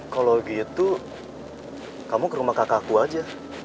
kalau gitu kamu ke rumah kakak aku aja